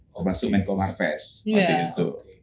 orang orang itu mencoba harvest